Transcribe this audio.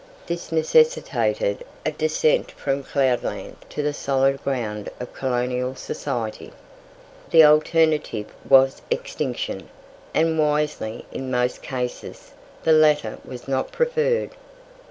This necessitated a descent from cloudland to the solid ground of colonial society. The alternative was extinction, and wisely, in most cases, the latter was not preferred.